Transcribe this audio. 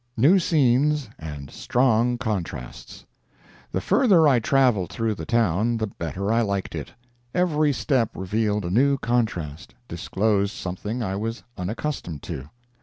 NEW SCENES AND STRONG CONTRASTS The further I traveled through the town the better I liked it. Every step revealed a new contrast—disclosed something I was unaccustomed to.